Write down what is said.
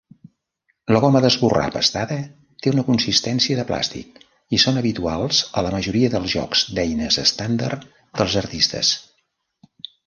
La goma d'esborrar pastada té una consistència de plàstic i són habituals a la majoria dels jocs d'eines estàndard dels artistes.